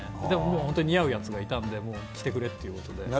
でももう、本当に似合うやつがいたんで、もう着てくれっていうことで。